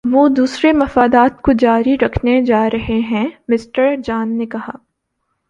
وہ دوسرے مفادات کو جاری رکھنے جا رہے ہیں مِسٹر جان نے کہا